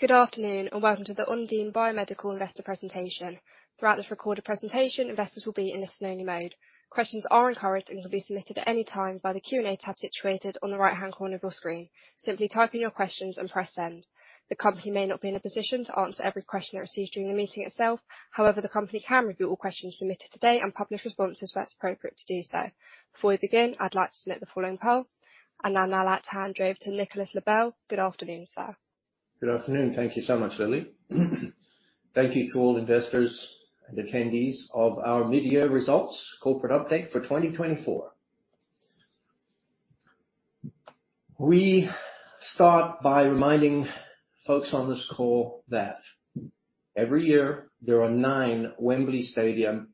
Good afternoon, and welcome to the Ondine Biomedical Investor Presentation. Throughout this recorded presentation, investors will be in listen-only mode. Questions are encouraged and can be submitted at any time by the Q&A tab situated on the right-hand corner of your screen. Simply type in your questions and press send. The company may not be in a position to answer every question it receives during the meeting itself. However, the company can review all questions submitted today and publish responses where it's appropriate to do so. Before we begin, I'd like to submit the following poll. I'd now like to hand over to Nicolas Loebel. Good afternoon, sir. Good afternoon. Thank you so much, Lily. Thank you to all investors and attendees of our mid-year results corporate update for 2024. We start by reminding folks on this call that every year there are nine Wembley Stadium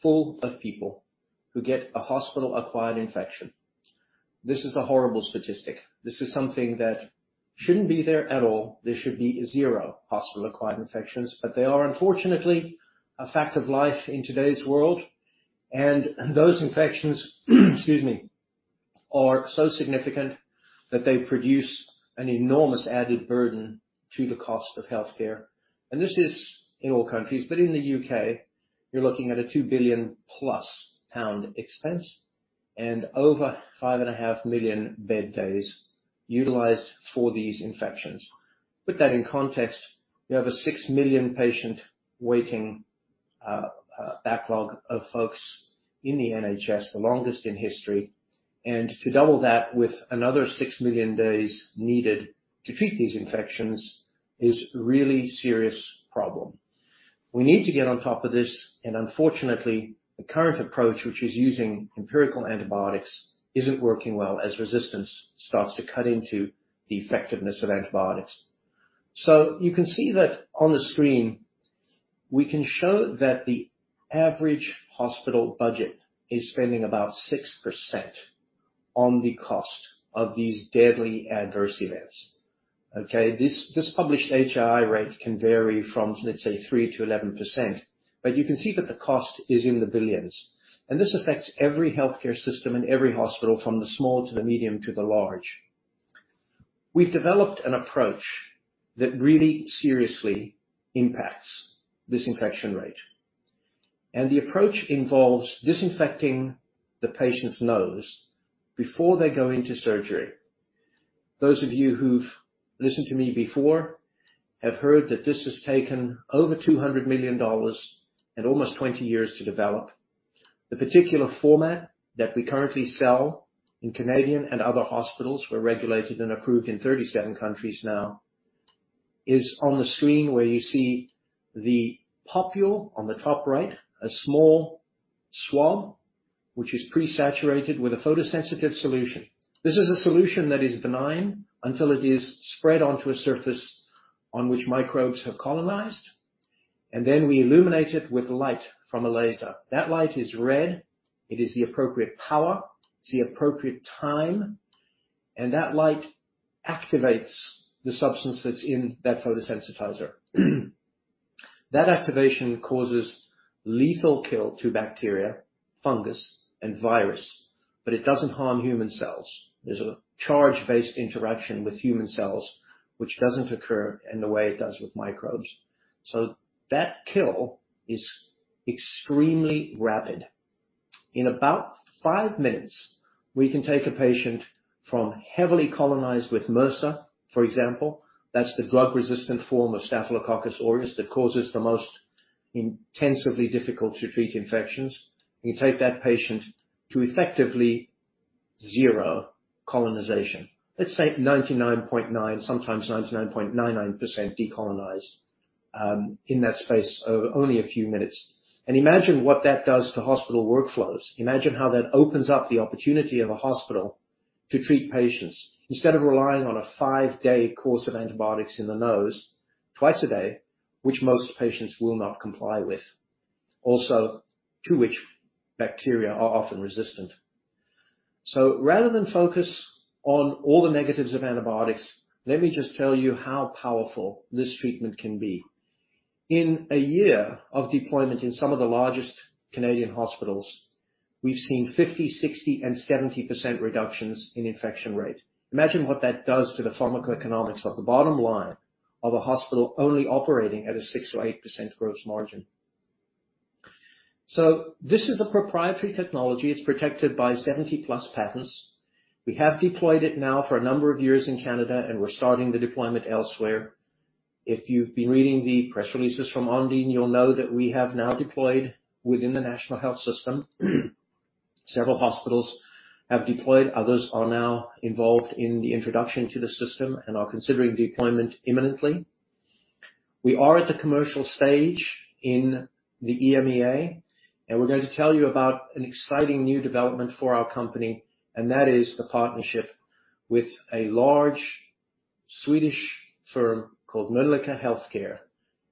full of people who get a hospital-acquired infection. This is a horrible statistic. This is something that shouldn't be there at all. There should be zero hospital-acquired infections, but they are unfortunately a fact of life in today's world, and those infections, excuse me, are so significant that they produce an enormous added burden to the cost of healthcare, and this is in all countries, but in the U.K., you're looking at a 2 billion pound-plus expense and over 5.5 million bed days utilized for these infections. Put that in context, we have a six million patient waiting backlog of folks in the NHS, the longest in history, and to double that with another six million days needed to treat these infections is a really serious problem. We need to get on top of this, and unfortunately, the current approach, which is using empirical antibiotics, isn't working well as resistance starts to cut into the effectiveness of antibiotics, so you can see that on the screen, we can show that the average hospital budget is spending about 6% on the cost of these deadly adverse events. Okay, this published HAI rate can vary from, let's say, 3% to 11%, but you can see that the cost is in the billions, and this affects every healthcare system and every hospital, from the small to the medium to the large. We've developed an approach that really seriously impacts this infection rate, and the approach involves disinfecting the patient's nose before they go into surgery. Those of you who've listened to me before have heard that this has taken over two hundred million and almost twenty years to develop. The particular format that we currently sell in Canadian and other hospitals, we're regulated and approved in thirty-seven countries now, is on the screen where you see the Popule on the top right, a small swab, which is pre-saturated with a photosensitive solution. This is a solution that is benign until it is spread onto a surface on which microbes have colonized, and then we illuminate it with light from a laser. That light is red, it is the appropriate power, it's the appropriate time, and that light activates the substance that's in that photosensitizer. That activation causes lethal kill to bacteria, fungus, and virus, but it doesn't harm human cells. There's a charge-based interaction with human cells, which doesn't occur in the way it does with microbes. So that kill is extremely rapid. In about five minutes, we can take a patient from heavily colonized with MRSA, for example, that's the drug-resistant form of Staphylococcus aureus that causes the most intensively difficult to treat infections. We take that patient to effectively zero colonization. Let's say 99.9%, sometimes 99.99% decolonized, in that space of only a few minutes. And imagine what that does to hospital workflows. Imagine how that opens up the opportunity of a hospital to treat patients instead of relying on a five-day course of antibiotics in the nose twice a day, which most patients will not comply with. Also, to which bacteria are often resistant. Rather than focus on all the negatives of antibiotics, let me just tell you how powerful this treatment can be. In a year of deployment in some of the largest Canadian hospitals, we've seen 50%, 60%, and 70% reductions in infection rate. Imagine what that does to the pharmacoeconomics of the bottom line of a hospital only operating at a 6%-8% gross margin. This is a proprietary technology. It's protected by 70-plus patents. We have deployed it now for a number of years in Canada, and we're starting the deployment elsewhere. If you've been reading the press releases from Ondine, you'll know that we have now deployed within the National Health Service. Several hospitals have deployed, others are now involved in the introduction to the system and are considering deployment imminently. We are at the commercial stage in the EMEA, and we're going to tell you about an exciting new development for our company, and that is the partnership with a large Swedish firm called Mölnlycke Health Care,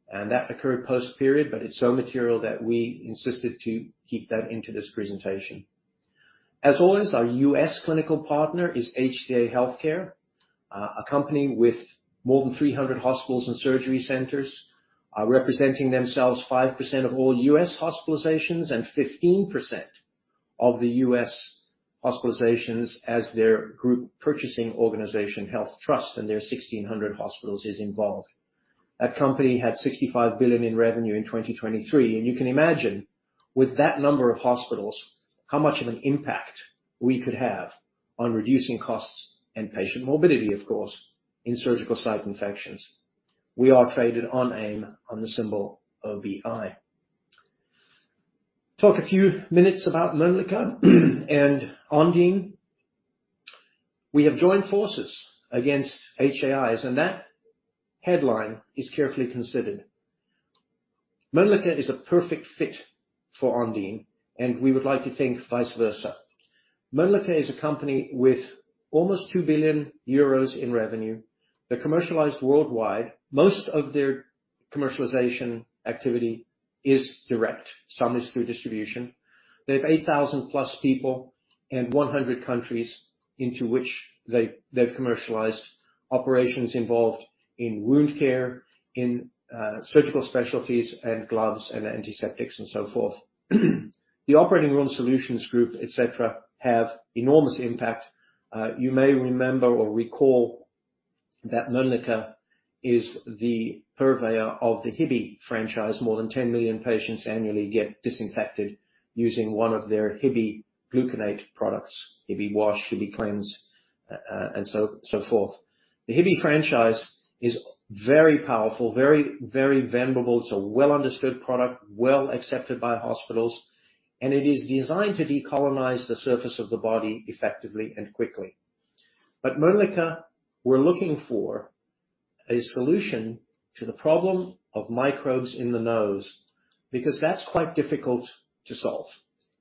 and that occurred post-period, but it's so material that we insisted to keep that into this presentation. As always, our U.S. clinical partner is HCA Healthcare, a company with more than 300 hospitals and surgery centers, representing themselves, 5% of all U.S. hospitalizations and 15% of the U.S. hospitalizations as their group purchasing organization, HealthTrust, and their 1,600 hospitals is involved. That company had $65 billion in revenue in 2023, and you can imagine with that number of hospitals, how much of an impact we could have on reducing costs and patient morbidity, of course, in surgical site infections. We are traded on AIM on the symbol OBI. Talk a few minutes about Mölnlycke and Ondine. We have joined forces against HAIs, and that headline is carefully considered. Mölnlycke is a perfect fit for Ondine, and we would like to think vice versa. Mölnlycke is a company with almost 2 billion euros in revenue. They're commercialized worldwide. Most of their commercialization activity is direct, some is through distribution. They have 8,000-plus people in 100 countries into which they've commercialized operations involved in wound care, in surgical specialties and gloves and antiseptics, and so forth. The Operating Room Solutions Group, et cetera, have enormous impact. You may remember or recall that Mölnlycke is the purveyor of the Hibi franchise. More than 10 million patients annually get disinfected using one of their Hibi gluconate products, Hibi wash, Hibiclens, and so forth. The Hibi franchise is very powerful, very, very venerable. It's a well-understood product, well accepted by hospitals, and it is designed to decolonize the surface of the body effectively and quickly. But Mölnlycke were looking for a solution to the problem of microbes in the nose, because that's quite difficult to solve.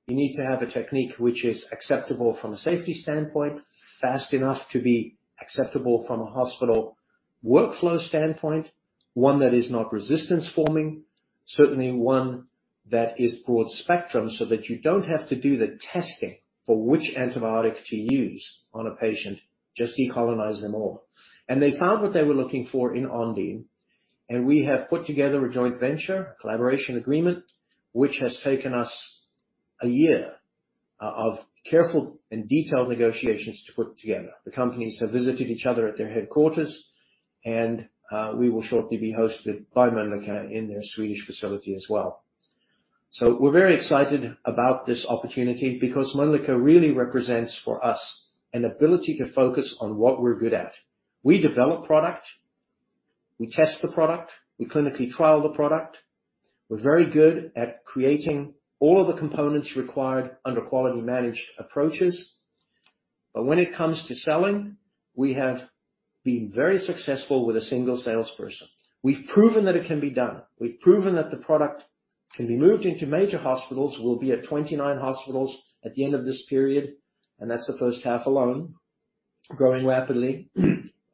You need to have a technique which is acceptable from a safety standpoint, fast enough to be acceptable from a hospital workflow standpoint, one that is not resistance forming, certainly one that is broad spectrum, so that you don't have to do the testing for which antibiotic to use on a patient, just decolonize them all. And they found what they were looking for in Ondine, and we have put together a joint venture, collaboration agreement, which has taken us a year, of careful and detailed negotiations to put together. The companies have visited each other at their headquarters, and we will shortly be hosted by Mölnlycke in their Swedish facility as well. So we're very excited about this opportunity because Mölnlycke really represents for us an ability to focus on what we're good at. We develop product, we test the product, we clinically trial the product. We're very good at creating all of the components required under quality managed approaches. But when it comes to selling, we have been very successful with a single salesperson. We've proven that it can be done. We've proven that the product can be moved into major hospitals. We'll be at 29 hospitals at the end of this period, and that's the first half alone, growing rapidly.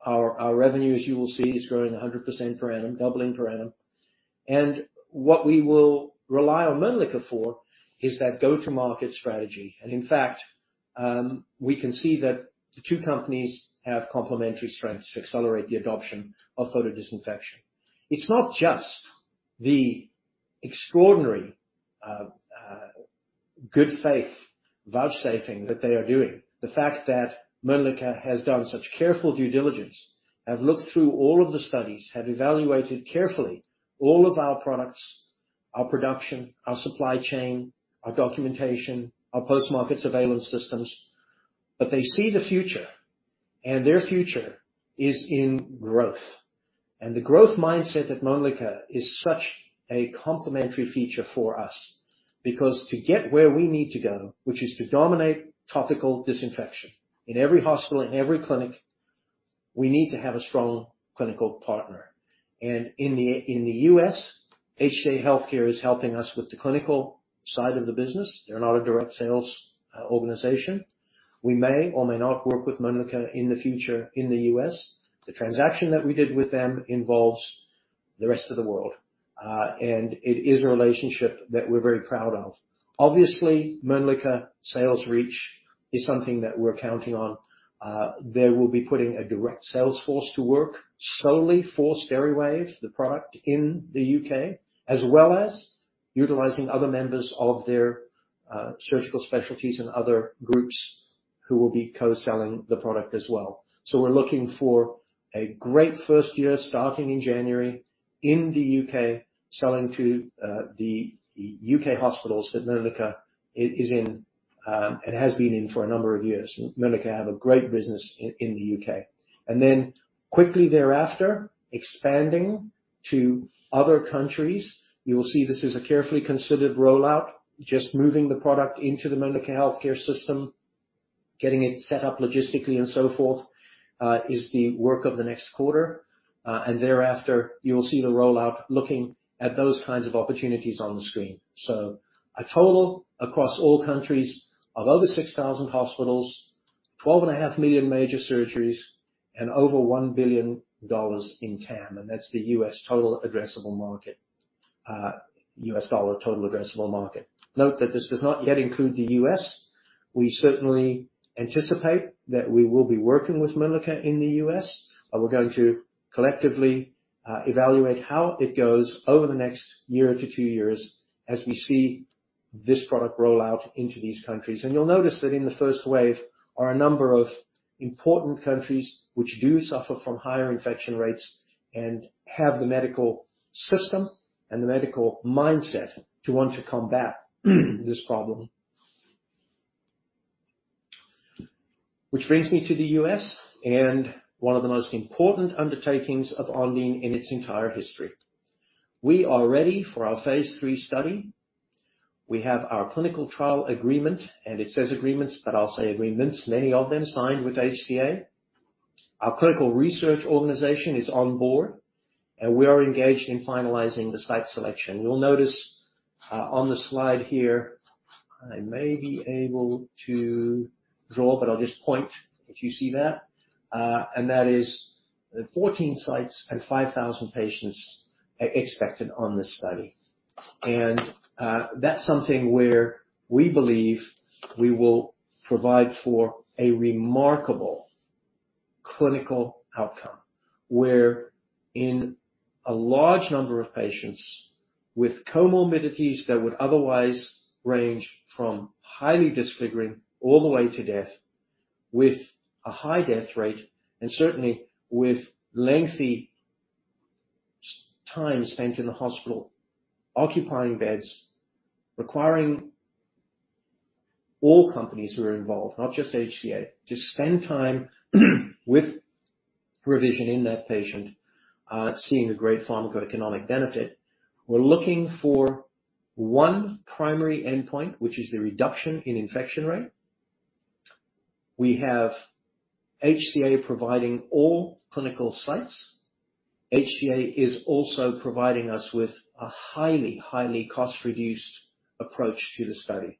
Our revenue, as you will see, is growing 100% per annum, doubling per annum. What we will rely on Mölnlycke for is that go-to-market strategy. In fact, we can see that the two companies have complementary strengths to accelerate the adoption of photodisinfection. It's not just the extraordinary good faith vouchsafing that they are doing. The fact that Mölnlycke has done such careful due diligence, have looked through all of the studies, have evaluated carefully all of our products, our production, our supply chain, our documentation, our post-market surveillance systems. They see the future, and their future is in growth. The growth mindset of Mölnlycke is such a complementary feature for us, because to get where we need to go, which is to dominate topical disinfection in every hospital, in every clinic, we need to have a strong clinical partner. In the U.S., HCA Healthcare is helping us with the clinical side of the business. They're not a direct sales organization. We may or may not work with Mölnlycke in the future in the U.S. The transaction that we did with them involves the rest of the world, and it is a relationship that we're very proud of. Obviously, Mölnlycke sales reach is something that we're counting on. They will be putting a direct sales force to work solely for Steriwave, the product in the U.K., as well as utilizing other members of their surgical specialties and other groups who will be co-selling the product as well. We're looking for a great first year, starting in January, in the U.K., selling to the U.K. hospitals that Mölnlycke is in and has been in for a number of years. Mölnlycke have a great business in the U.K. And then quickly thereafter, expanding to other countries. You will see this is a carefully considered rollout, just moving the product into the Mölnlycke healthcare system, getting it set up logistically and so forth, is the work of the next quarter. And thereafter, you will see the rollout, looking at those kinds of opportunities on the screen. So a total across all countries of over 6,000 hospitals, 12.5 million major surgeries, and over $1 billion in TAM, and that's the U.S. total addressable market, U.S. dollar total addressable market. Note that this does not yet include the U.S. We certainly anticipate that we will be working with Mölnlycke in the U.S., but we're going to collectively, evaluate how it goes over the next year to two years as we see this product roll out into these countries. And you'll notice that in the first wave are a number of important countries which do suffer from higher infection rates, and have the medical system and the medical mindset to want to combat this problem. Which brings me to the U.S., and one of the most important undertakings of Ondine in its entire history. We are ready for our phase three study. We have our clinical trial agreement, and it says agreements, but I'll say agreements, many of them signed with HCA. Our clinical research organization is on board, and we are engaged in finalizing the site selection. You'll notice, on the slide here, I may be able to draw, but I'll just point if you see that. And that is the 14 sites and 5,000 patients expected on this study. And, that's something where we believe we will provide for a remarkable clinical outcome, where in a large number of patients with comorbidities that would otherwise range from highly disfiguring all the way to death, with a high death rate, and certainly with lengthy time spent in the hospital, occupying beds, requiring all companies who are involved, not just HCA, to spend time with revision in that patient, seeing a great pharmacoeconomic benefit. We're looking for one primary endpoint, which is the reduction in infection rate. We have HCA providing all clinical sites. HCA is also providing us with a highly, highly cost-reduced approach to the study.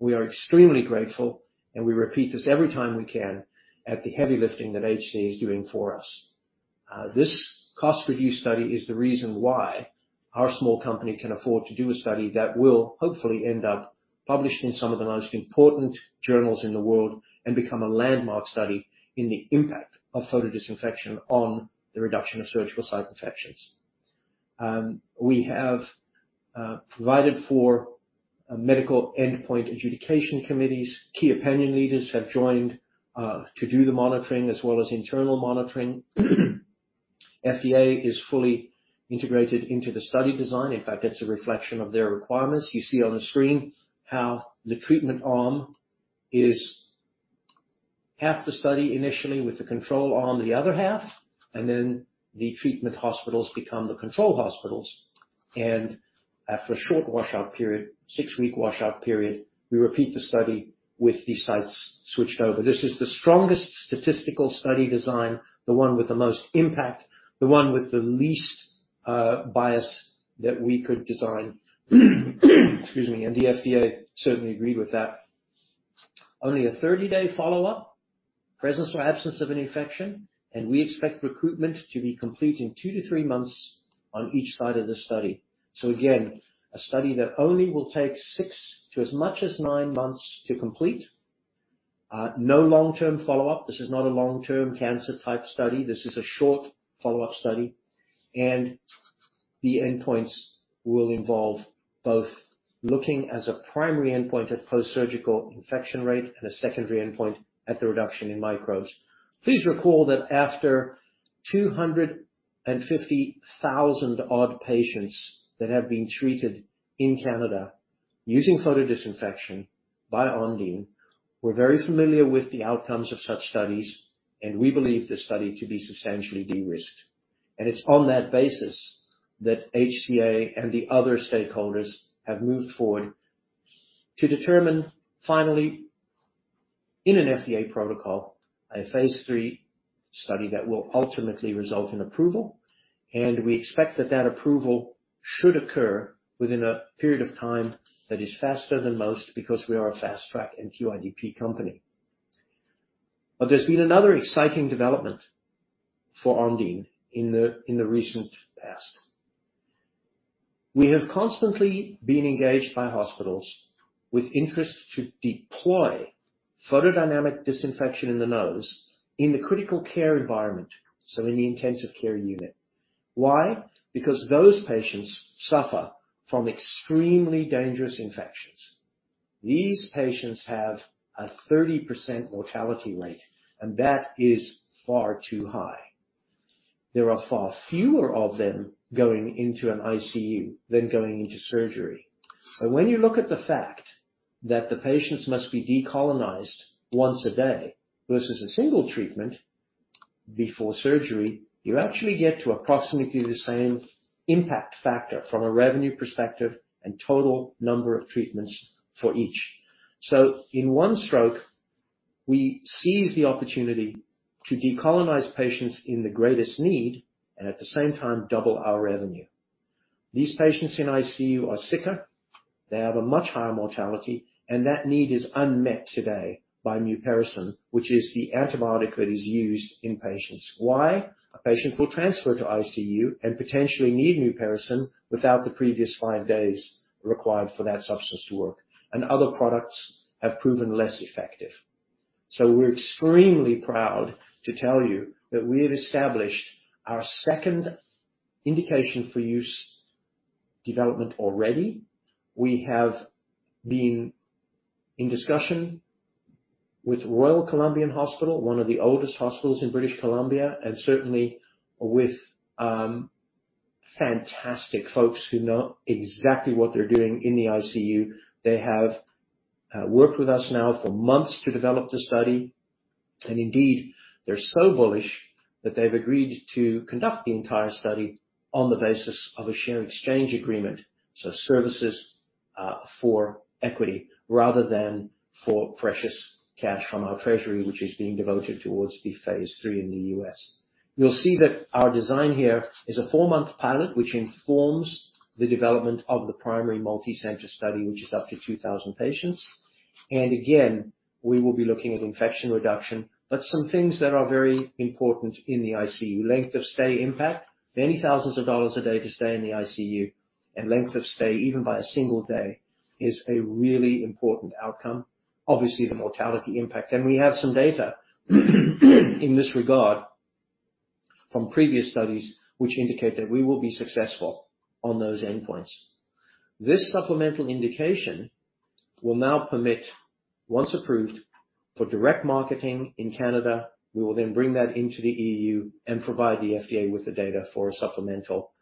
We are extremely grateful, and we repeat this every time we can, for the heavy lifting that HCA is doing for us. This cost review study is the reason why our small company can afford to do a study that will hopefully end up published in some of the most important journals in the world, and become a landmark study in the impact of photodisinfection on the reduction of surgical site infections. We have provided for a medical endpoint adjudication committee. Key opinion leaders have joined to do the monitoring as well as internal monitoring. FDA is fully integrated into the study design. In fact, it's a reflection of their requirements. You see on the screen how the treatment arm is half the study initially with the control arm, the other half, and then the treatment hospitals become the control hospitals. After a short washout period, six-week washout period, we repeat the study with the sites switched over. This is the strongest statistical study design, the one with the most impact, the one with the least bias that we could design. Excuse me, and the FDA certainly agreed with that. Only a thirty-day follow-up, presence or absence of an infection, and we expect recruitment to be complete in two to three months on each side of the study. Again, a study that only will take six to as much as nine months to complete. No long-term follow-up. This is not a long-term cancer type study. This is a short follow-up study, and the endpoints will involve both looking as a primary endpoint at postsurgical infection rate and a secondary endpoint at the reduction in microbes. Please recall that after two hundred and fifty thousand odd patients that have been treated in Canada using photodisinfection by Ondine, we're very familiar with the outcomes of such studies, and we believe this study to be substantially de-risked, and it's on that basis that HCA and the other stakeholders have moved forward to determine finally, in an FDA protocol, a phase three study that will ultimately result in approval, and we expect that approval should occur within a period of time that is faster than most, because we are a Fast Track and QIDP company, but there's been another exciting development for Ondine in the recent past. We have constantly been engaged by hospitals with interest to deploy photodynamic disinfection in the nose, in the critical care environment, so in the intensive care unit. Why? Because those patients suffer from extremely dangerous infections. These patients have a 30% mortality rate, and that is far too high. There are far fewer of them going into an ICU than going into surgery. But when you look at the fact that the patients must be decolonized once a day versus a single treatment before surgery, you actually get to approximately the same impact factor from a revenue perspective and total number of treatments for each. So in one stroke, we seize the opportunity to decolonize patients in the greatest need, and at the same time, double our revenue. These patients in ICU are sicker, they have a much higher mortality, and that need is unmet today by mupirocin, which is the antibiotic that is used in patients. Why? A patient will transfer to ICU and potentially need mupirocin without the previous five days required for that substance to work, and other products have proven less effective. So we're extremely proud to tell you that we have established our second indication for use development already. We have been in discussion with Royal Columbian Hospital, one of the oldest hospitals in British Columbia, and certainly with fantastic folks who know exactly what they're doing in the ICU. They have worked with us now for months to develop the study, and indeed, they're so bullish that they've agreed to conduct the entire study on the basis of a share exchange agreement, so services for equity rather than for precious cash from our treasury, which is being devoted towards the phase III in the U.S. You'll see that our design here is a four-month pilot, which informs the development of the primary multi-center study, which is up to 2,000 patients. And again, we will be looking at infection reduction. But some things that are very important in the ICU, length of stay impact, many thousands of dollars a day to stay in the ICU, and length of stay, even by a single day, is a really important outcome. Obviously, the mortality impact. And we have some data in this regard from previous studies, which indicate that we will be successful on those endpoints. This supplemental indication will now permit, once approved, for direct marketing in Canada. We will then bring that into the EU and provide the FDA with the data for a supplemental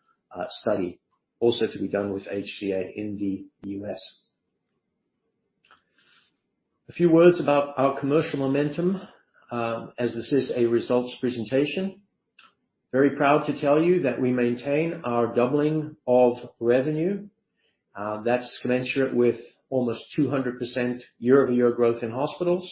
study, also to be done with HCA in the U.S. A few words about our commercial momentum, as this is a results presentation. Very proud to tell you that we maintain our doubling of revenue. That's commensurate with almost 200% year-over-year growth in hospitals.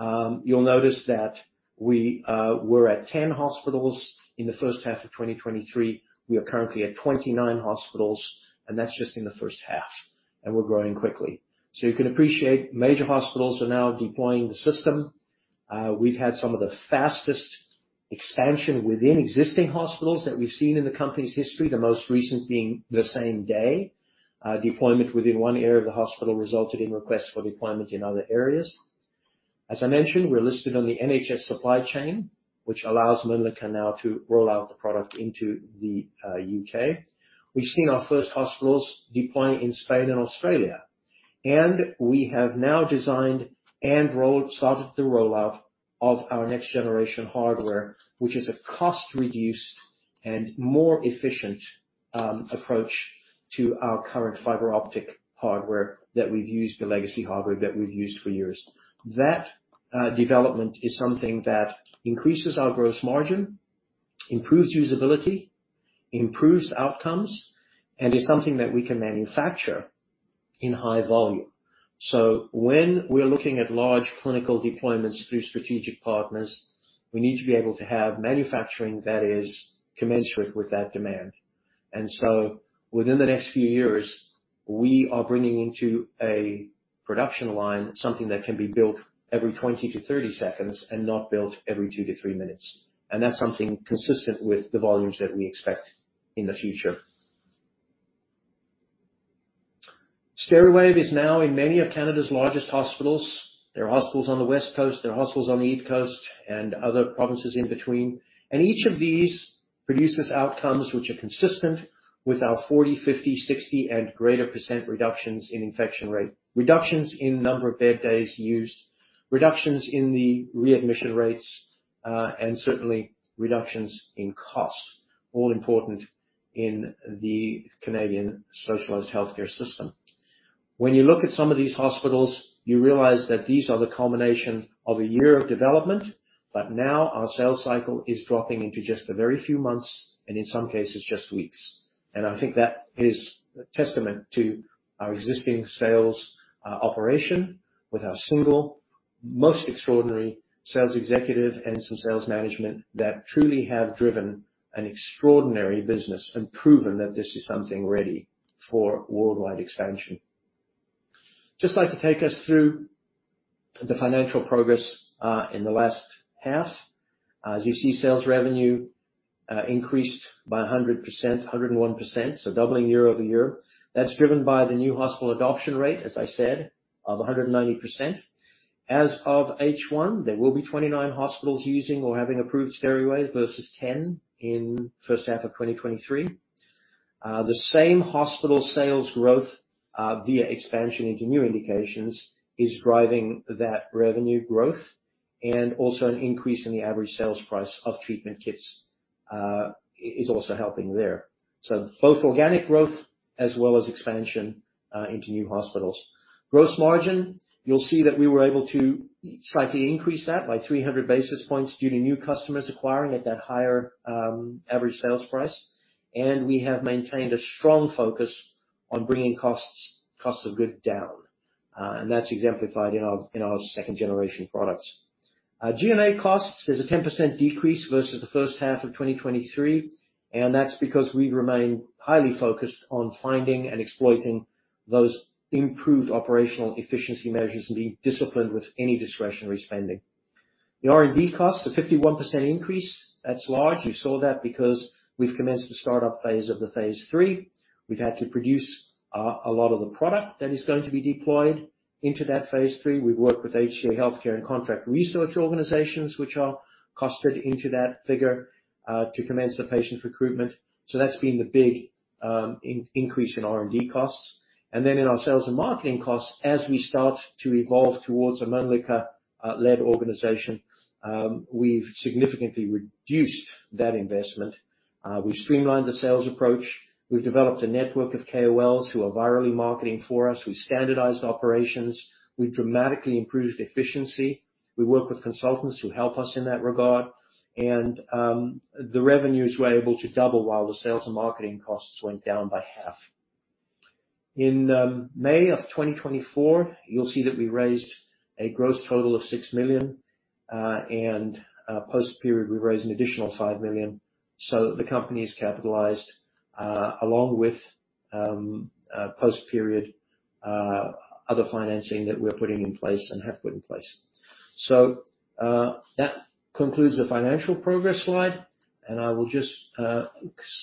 You'll notice that we were at 10 hospitals in the first half of 2023. We are currently at 29 hospitals, and that's just in the first half, and we're growing quickly. So you can appreciate major hospitals are now deploying the system. We've had some of the fastest expansion within existing hospitals that we've seen in the company's history, the most recent being the same day. Deployment within one area of the hospital resulted in requests for deployment in other areas. As I mentioned, we're listed on the NHS Supply Chain, which allows Mundipharma now to roll out the product into the UK. We've seen our first hospitals deploy in Spain and Australia, and we have now designed and started the rollout of our next-generation hardware, which is a cost-reduced and more efficient approach to our current fiber-optic hardware that we've used, the legacy hardware that we've used for years. That development is something that increases our gross margin, improves usability, improves outcomes, and is something that we can manufacture in high volume. So when we're looking at large clinical deployments through strategic partners, we need to be able to have manufacturing that is commensurate with that demand, and so within the next few years, we are bringing into a production line something that can be built every twenty to thirty seconds and not built every two to three minutes, and that's something consistent with the volumes that we expect in the future. Steriwave is now in many of Canada's largest hospitals. There are hospitals on the West Coast, there are hospitals on the East Coast, and other provinces in between. Each of these produces outcomes which are consistent with our 40%, 50%, 60%, and greater % reductions in infection rate, reductions in number of bed days used, reductions in the readmission rates, and certainly reductions in cost, all important in the Canadian socialized healthcare system. When you look at some of these hospitals, you realize that these are the culmination of a year of development, but now our sales cycle is dropping into just a very few months, and in some cases, just weeks. I think that is a testament to our existing sales operation with our single, most extraordinary sales executive and some sales management that truly have driven an extraordinary business and proven that this is something ready for worldwide expansion. Just like to take us through the financial progress in the last half. As you see, sales revenue increased by 100%, 101%, so doubling year over year. That's driven by the new hospital adoption rate, as I said, of 190%. As of H1, there will be 29 hospitals using or having approved Steriwave versus 10 in first half of 2023. The same hospital sales growth via expansion into new indications is driving that revenue growth, and also an increase in the average sales price of treatment kits is also helping there. So both organic growth as well as expansion into new hospitals. Gross margin, you'll see that we were able to slightly increase that by three hundred basis points due to new customers acquiring at that higher average sales price. And we have maintained a strong focus on bringing costs of goods down, and that's exemplified in our second-generation products. Our G&A costs, there's a 10% decrease versus the first half of 2023, and that's because we remain highly focused on finding and exploiting those improved operational efficiency measures and being disciplined with any discretionary spending. The R&D costs, the 51% increase, that's large. You saw that because we've commenced the startup phase of the phase 3. We've had to produce a lot of the product that is going to be deployed into that phase 3. We've worked with HCA Healthcare and contract research organizations, which are costed into that figure, to commence the patient recruitment. So that's been the big, increase in R&D costs. And then in our sales and marketing costs, as we start to evolve towards a Mölnlycke, led organization, we've significantly reduced that investment. We've streamlined the sales approach, we've developed a network of KOLs who are virally marketing for us. We've standardized operations, we've dramatically improved efficiency. We work with consultants who help us in that regard, and, the revenues were able to double while the sales and marketing costs went down by half. In May of twenty twenty-four, you'll see that we raised a gross total of six million, and post-period, we raised an additional five million, so the company is capitalized along with post-period other financing that we're putting in place and have put in place. That concludes the financial progress slide, and I will just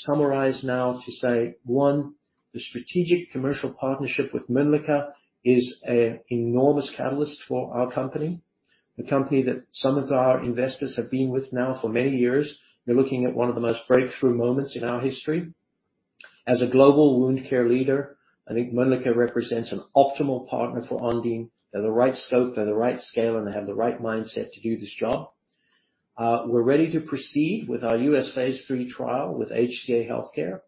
summarize now to say, one, the strategic commercial partnership with Mölnlycke is a enormous catalyst for our company, a company that some of our investors have been with now for many years. You're looking at one of the most breakthrough moments in our history. As a global wound care leader, I think Mölnlycke represents an optimal partner for Ondine. They're the right scope, they're the right scale, and they have the right mindset to do this job. We're ready to proceed with our US phase three trial with HCA Healthcare.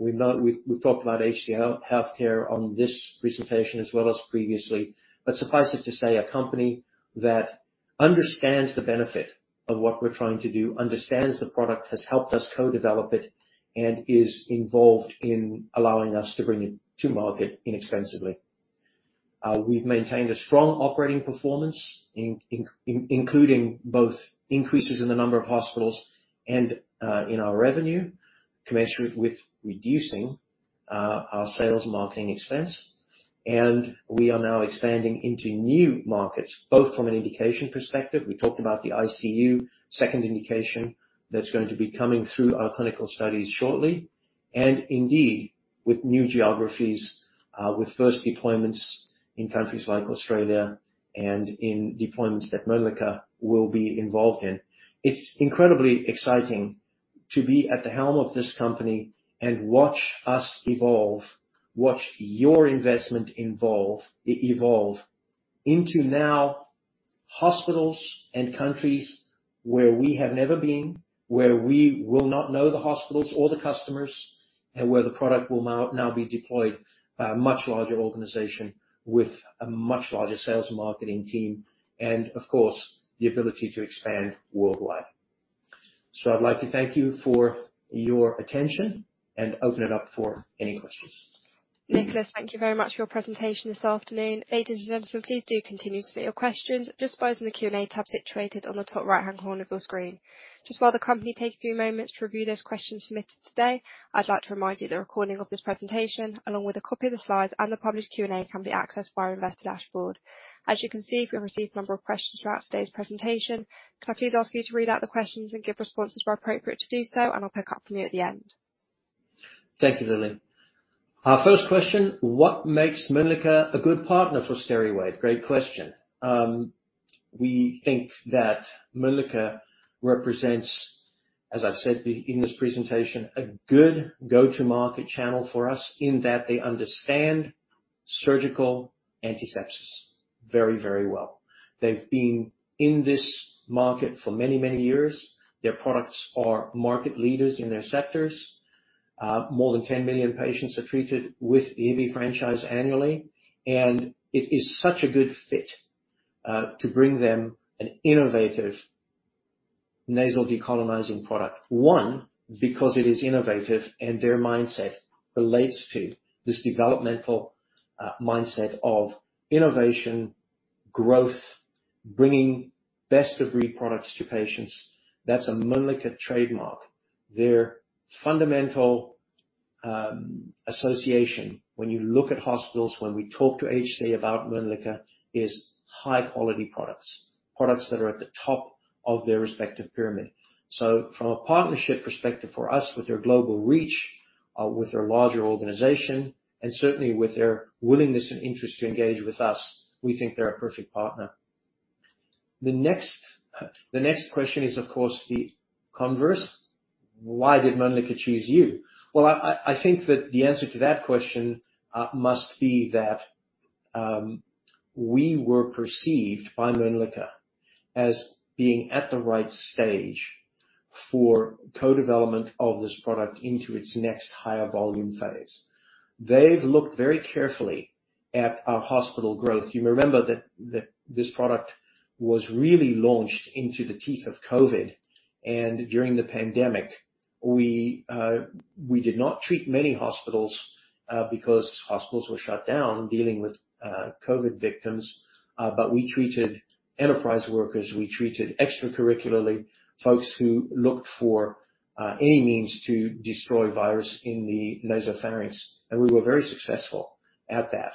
We've talked about HCA Healthcare on this presentation as well as previously, but suffice it to say, a company that understands the benefit of what we're trying to do, understands the product, has helped us co-develop it, and is involved in allowing us to bring it to market inexpensively. We've maintained a strong operating performance, including both increases in the number of hospitals and in our revenue, commensurate with reducing our sales marketing expense. We are now expanding into new markets, both from an indication perspective, we talked about the ICU second indication. That's going to be coming through our clinical studies shortly. And indeed, with new geographies, with first deployments in countries like Australia and in deployments that Mölnlycke will be involved in. It's incredibly exciting to be at the helm of this company and watch us evolve, watch your investment evolve into now hospitals and countries where we have never been, where we will not know the hospitals or the customers, and where the product will now be deployed by a much larger organization with a much larger sales and marketing team, and of course, the ability to expand worldwide. So I'd like to thank you for your attention and open it up for any questions. Nicolas, thank you very much for your presentation this afternoon. Ladies and gentlemen, please do continue to submit your questions just by using the Q&A tab situated on the top right-hand corner of your screen. Just while the company takes a few moments to review those questions submitted today, I'd like to remind you that a recording of this presentation, along with a copy of the slides and the published Q&A, can be accessed via investor dashboard. As you can see, we've received a number of questions throughout today's presentation. Can I please ask you to read out the questions and give responses where appropriate to do so, and I'll pick up from you at the end. Thank you, Lily. Our first question: What makes Mölnlycke a good partner for Steriwave? Great question. We think that Mölnlycke represents, as I've said in this presentation, a good go-to-market channel for us, in that they understand surgical antisepsis very, very well. They've been in this market for many, many years. Their products are market leaders in their sectors. More than 10 million patients are treated with the Hibi franchise annually, and it is such a good fit to bring them an innovative nasal decolonizing product. One, because it is innovative, and their mindset relates to this developmental mindset of innovation, growth, bringing best-of-breed products to patients. That's a Mölnlycke trademark. Their fundamental association, when you look at hospitals, when we talk to HCA about Mölnlycke, is high-quality products, products that are at the top of their respective pyramid. So from a partnership perspective, for us, with their global reach, with their larger organization, and certainly with their willingness and interest to engage with us, we think they're a perfect partner. The next question is, of course, the converse: Why did Mölnlycke choose you? I think that the answer to that question must be that we were perceived by Mölnlycke as being at the right stage for co-development of this product into its next higher volume phase. They've looked very carefully at our hospital growth. You may remember that this product was really launched into the teeth of COVID, and during the pandemic, we did not treat many hospitals because hospitals were shut down, dealing with COVID victims. But we treated enterprise workers, we treated extracurricularly, folks who looked for any means to destroy virus in the nasopharynx, and we were very successful at that.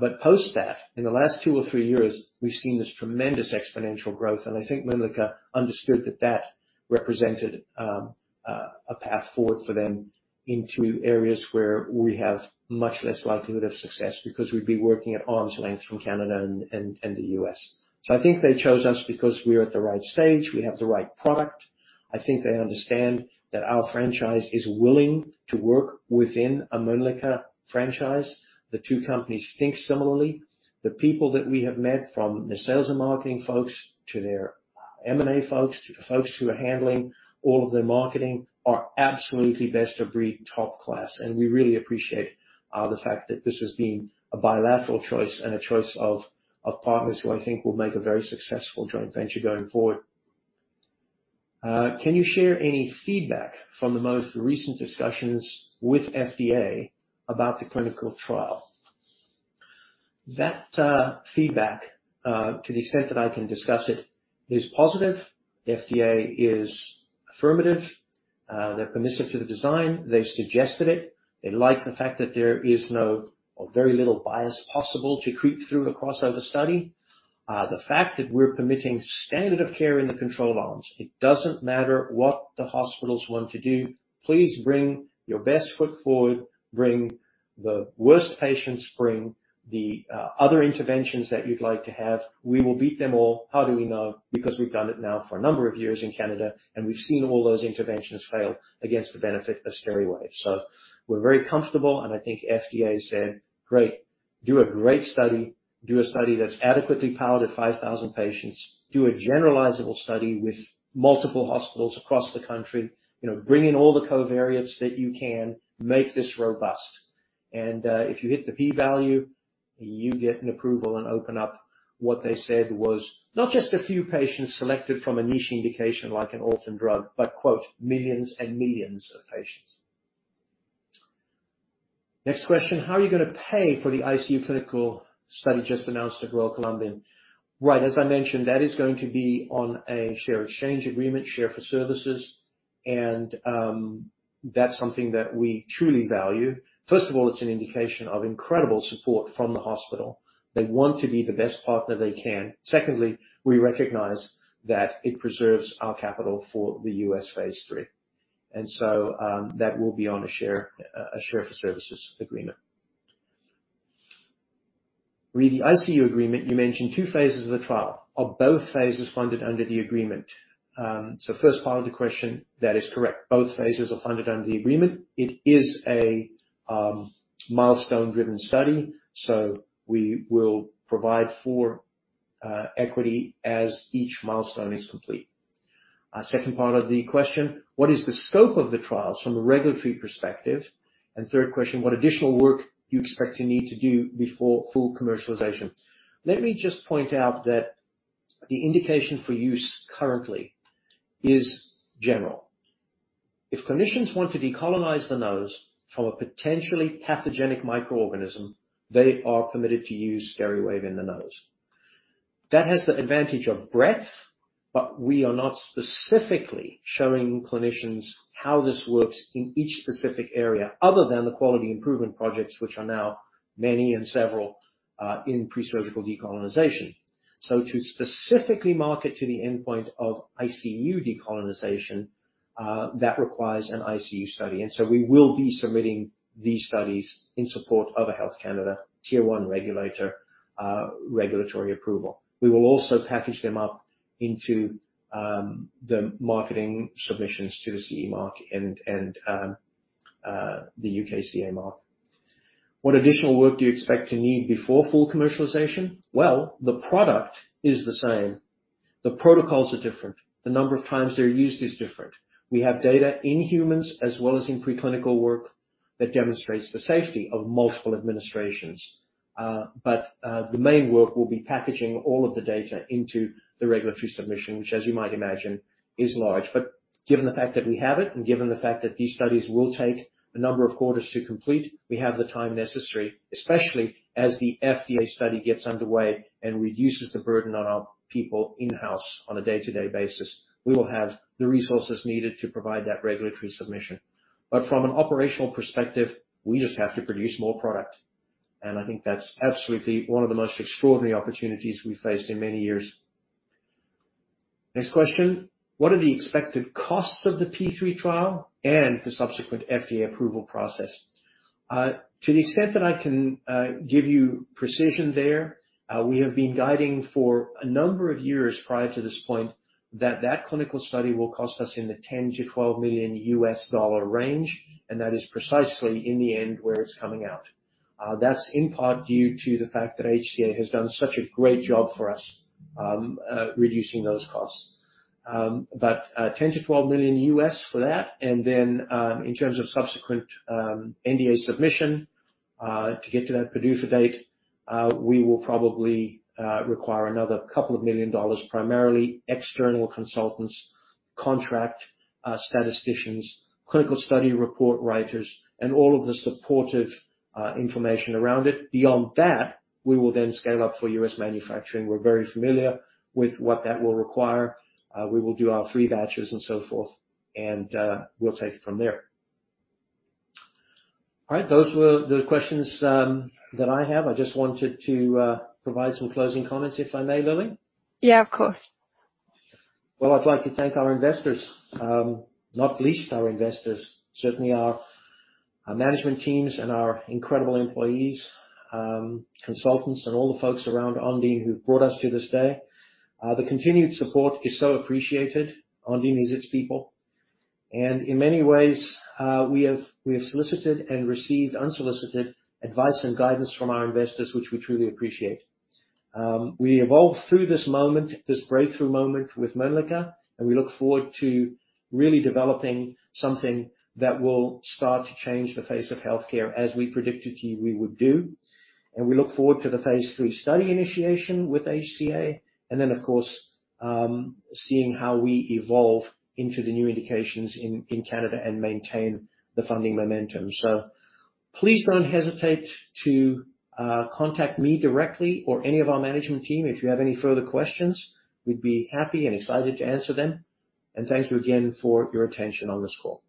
But post that, in the last two or three years, we've seen this tremendous exponential growth, and I think Mölnlycke understood that that represented a path forward for them into areas where we have much less likelihood of success, because we'd be working at arm's length from Canada and the US. So I think they chose us because we're at the right stage, we have the right product. I think they understand that our franchise is willing to work within a Mölnlycke franchise. The two companies think similarly. The people that we have met, from the sales and marketing folks, to their M&A folks, to the folks who are handling all of their marketing, are absolutely best-of-breed, top class, and we really appreciate the fact that this has been a bilateral choice and a choice of partners who I think will make a very successful joint venture going forward. Can you share any feedback from the most recent discussions with FDA about the clinical trial? That feedback, to the extent that I can discuss it, is positive. FDA is affirmative. They're permissive to the design. They suggested it. They like the fact that there is no, or very little bias possible to creep through a crossover study. The fact that we're permitting standard of care in the controlled arms. It doesn't matter what the hospitals want to do. Please bring your best foot forward, bring the worst patients, bring the other interventions that you'd like to have. We will beat them all. How do we know? Because we've done it now for a number of years in Canada, and we've seen all those interventions fail against the benefit of Steriwave. So we're very comfortable, and I think FDA said, "Great. Do a great study. Do a study that's adequately powered at 5,000 patients. Do a generalizable study with multiple hospitals across the country. You know, bring in all the covariates that you can. Make this robust. If you hit the P value, you get an approval and open up," what they said was, "Not just a few patients selected from a niche indication, like an orphan drug, but, quote, millions and millions of patients." Next question: How are you gonna pay for the ICU clinical study just announced at Royal Columbian Hospital? Right, as I mentioned, that is going to be on a share exchange agreement, share for services, and, that's something that we truly value. First of all, it's an indication of incredible support from the hospital. They want to be the best partner they can. Secondly, we recognize that it preserves our capital for the US phase III. And so, that will be on a share, a share for services agreement. Re the ICU agreement, you mentioned two phases of the trial. Are both phases funded under the agreement? So first part of the question, that is correct. Both phases are funded under the agreement. It is a, milestone-driven study, so we will provide for, equity as each milestone is complete. Second part of the question: What is the scope of the trials from a regulatory perspective? And third question: What additional work do you expect to need to do before full commercialization? Let me just point out that the indication for use currently is general. If clinicians want to decolonize the nose from a potentially pathogenic microorganism, they are permitted to use Steriwave in the nose. That has the advantage of breadth, but we are not specifically showing clinicians how this works in each specific area, other than the quality improvement projects, which are now many and several, in presurgical decolonization. So to specifically market to the endpoint of ICU decolonization, that requires an ICU study, and so we will be submitting these studies in support of a Health Canada Tier one regulatory approval. We will also package them up into the marketing submissions to the CE mark and the UKCA mark. What additional work do you expect to need before full commercialization? Well, the product is the same. The protocols are different. The number of times they're used is different. We have data in humans as well as in preclinical work that demonstrates the safety of multiple administrations, but the main work will be packaging all of the data into the regulatory submission, which, as you might imagine, is large. But given the fact that we have it, and given the fact that these studies will take a number of quarters to complete, we have the time necessary, especially as the FDA study gets underway and reduces the burden on our people in-house on a day-to-day basis. We will have the resources needed to provide that regulatory submission. But from an operational perspective, we just have to produce more product, and I think that's absolutely one of the most extraordinary opportunities we've faced in many years. Next question: What are the expected costs of the phase 3 trial and the subsequent FDA approval process? To the extent that I can give you precision there, we have been guiding for a number of years prior to this point that the clinical study will cost us in the $10-$12 million range, and that is precisely in the end where it's coming out. That's in part due to the fact that HCA has done such a great job for us reducing those costs. But $10-$12 million for that, and then in terms of subsequent NDA submission to get to that PDUFA date, we will probably require another $2 million, primarily external consultants, contract statisticians, clinical study report writers, and all of the supportive information around it. Beyond that, we will then scale up for US manufacturing. We're very familiar with what that will require. We will do our three batches and so forth, and we'll take it from there. All right, those were the questions that I have. I just wanted to provide some closing comments, if I may, Lily? Yeah, of course. I'd like to thank our investors, not least our investors, certainly our management teams and our incredible employees, consultants, and all the folks around Ondine who've brought us to this day. The continued support is so appreciated. Ondine is its people, and in many ways, we have solicited and received unsolicited advice and guidance from our investors, which we truly appreciate. We evolved through this moment, this breakthrough moment with Mölnlycke, and we look forward to really developing something that will start to change the face of healthcare as we predicted to you we would do. We look forward to the phase III study initiation with HCA, and then, of course, seeing how we evolve into the new indications in Canada and maintain the funding momentum. So please don't hesitate to contact me directly or any of our management team if you have any further questions. We'd be happy and excited to answer them, and thank you again for your attention on this call.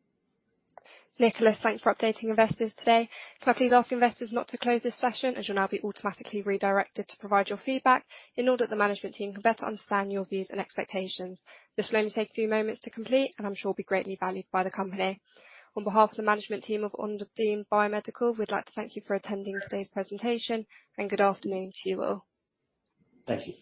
Nicolas, thanks for updating investors today. Can I please ask investors not to close this session, as you'll now be automatically redirected to provide your feedback in order that the management team can better understand your views and expectations. This will only take a few moments to complete, and I'm sure will be greatly valued by the company. On behalf of the management team of Ondine Biomedical, we'd like to thank you for attending today's presentation, and good afternoon to you all. Thank you.